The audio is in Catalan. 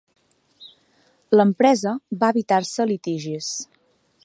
L'empresa va evitar-se litigis.